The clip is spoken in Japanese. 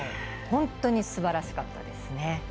本当にすばらしかったですね。